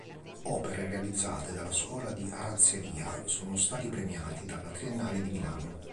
Opere realizzate dalla scuola di arazzeria sono stati premiati dalla Triennale di Milano.